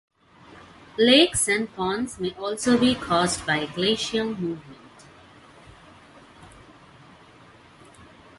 Lakes and ponds may also be caused by glacial movement.